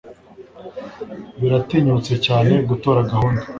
Biratinyutse cyane gutora gahunda.